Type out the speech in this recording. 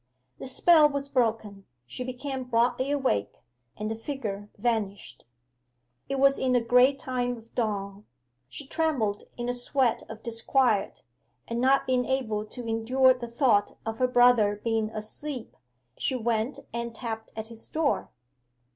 The spell was broken: she became broadly awake; and the figure vanished. It was in the grey time of dawn. She trembled in a sweat of disquiet, and not being able to endure the thought of her brother being asleep, she went and tapped at his door.